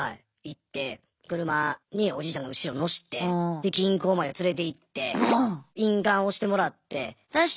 言って車におじいちゃん後ろ乗してで銀行まで連れていって印鑑押してもらって。